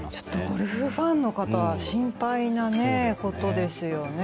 ゴルフファンの方心配なことですよね。